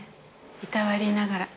いたわりながら。